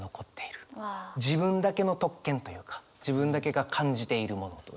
自分だけの特権というか自分だけが感じているものというか。